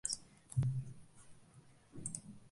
George RoadRunner de la Golden Baseball League.